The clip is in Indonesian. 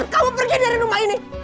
kamu pergi dari rumah ini